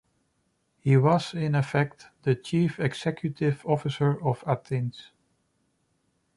He was, in effect, the chief executive officer of Athens.